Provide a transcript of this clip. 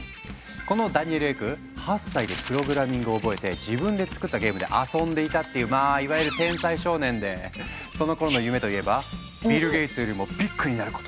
このダニエル・エク８歳でプログラミングを覚えて自分で作ったゲームで遊んでいたっていうまあいわゆる天才少年でそのころの夢といえば「ビル・ゲイツよりもビッグになること」だったとか。